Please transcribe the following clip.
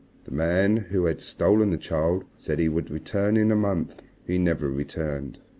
The man who had stolen the child said he would return in a month. He never returned.